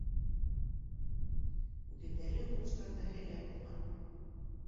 Бүтәндәре һуғыштарҙа һәләк булған.